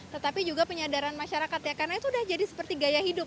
tetapi juga penyadaran masyarakat ya karena itu udah jadi seperti gaya hidup